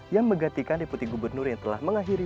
yang menggantikan deputi gubernur yang telah mengakhiri